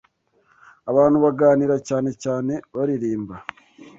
abantu baganira cyanecyane baririmba